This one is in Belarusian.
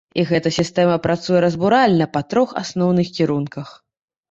І гэтая сістэма працуе разбуральна па трох асноўных кірунках.